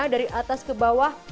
dari atas ke bawah